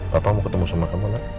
papa mau ketemu sama kamu ma